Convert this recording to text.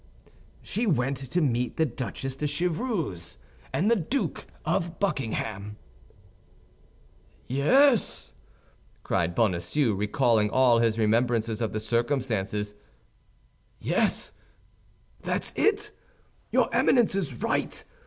"She went to meet the Duchesse de Chevreuse and the Duke of Buckingham." "Yes," cried Bonacieux, recalling all his remembrances of the circumstances, "yes, that's it. Your Eminence is right.